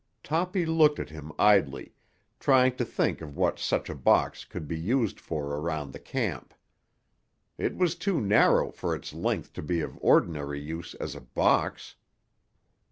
Toppy looked at him idly, trying to think of what such a box could be used for around the camp. It was too narrow for its length to be of ordinary use as a box.